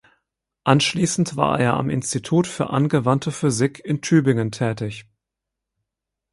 Anschließend war er am Institut für Angewandte Physik in Tübingen tätig.